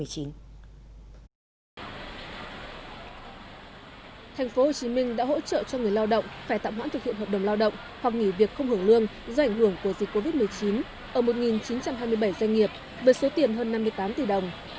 thành phố hồ chí minh đã hỗ trợ cho người lao động phải tạm hoãn thực hiện hợp đồng lao động hoặc nghỉ việc không hưởng lương do ảnh hưởng của dịch covid một mươi chín ở một chín trăm hai mươi bảy doanh nghiệp với số tiền hơn năm mươi tám tỷ đồng